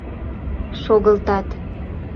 — Шогылтат...